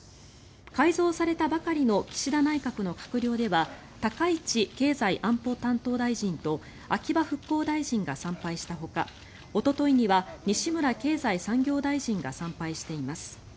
改造されたばかりの岸田内閣の閣僚では高市経済安保担当大臣と秋葉復興大臣が参拝したほかおとといには西村経済産業大臣が参拝しています。